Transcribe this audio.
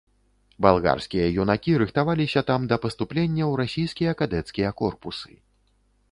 Балгарскія юнакі рыхтаваліся там да паступлення ў расійскія кадэцкія корпусы.